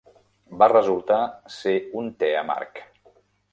Va resultar ser un te amarg.